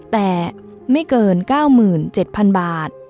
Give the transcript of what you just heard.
แต่ไม่เกิน๙๗๐๐๐บาท